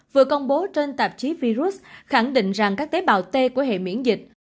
vừa công bố trên tạp chí virus khẳng định rằng các tế bào t của hệ miễn dịch